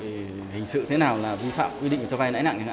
thì hình sự thế nào là vi phạm quy định cho vay nãi nặng